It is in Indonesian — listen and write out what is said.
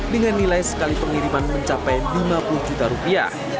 dengan nilai sekali pengiriman mencapai lima puluh juta rupiah